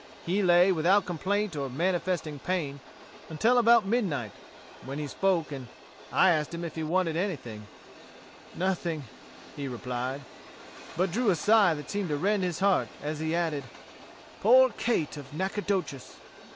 He lay, without complaint or manifesting pain, until about midnight, when he spoke, and I asked him if he wanted anything. 'Nothing,' he replied, but drew a sigh that seemed to rend his heart, as he added, 'Poor Kate of Nacogdoches.'